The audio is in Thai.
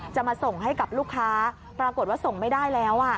จะมาส่งให้กับลูกค้าปรากฏว่าส่งไม่ได้แล้ว